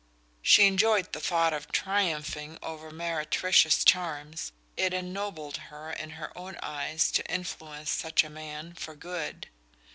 She enjoyed the thought of triumphing over meretricious charms: it ennobled her in her own eyes to influence such a man for good.